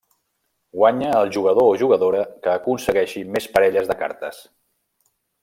Guanya el jugador o jugadora que aconsegueixi més parelles de cartes.